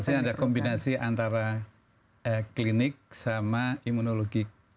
pasti ada kombinasi antara klinik sama imunologi